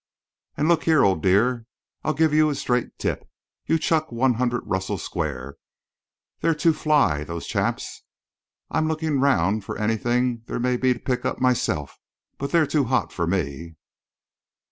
And look here, old dear, I'll give you a straight tip. You chuck 100, Russell Square. They're too fly, those chaps. I'm looking around for anything there may be to pick up myself, but they're too hot for me."